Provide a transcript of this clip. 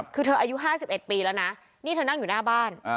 คือเธออายุ๕๑ปีแล้วนะนี่เธอนั่งอยู่หน้าบ้าน